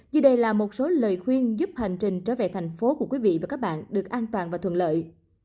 như đây là một số lời khuyên giúp hành trình trở về thành phố của quý vị và các bạn được an toàn và thuận lợi